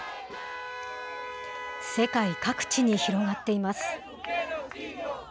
世界各地に広がっています。